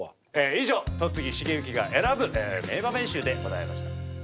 以上戸次重幸が選ぶ名場面集でございました。